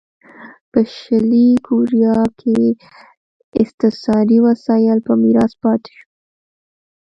په شلي کوریا کې استثاري وسایل په میراث پاتې شول.